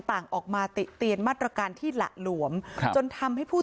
ต่างออกมาติเตียนมาตรการที่หละหลวมครับจนทำให้ผู้